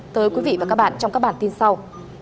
tới quý vị và các bạn trong các bản tin sau